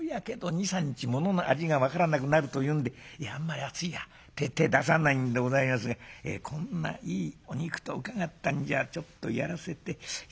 ２３日ものの味が分からなくなるというんであんまり熱いのには手出さないんでございますがこんないいお肉と伺ったんじゃちょっとやらせて頂きますか。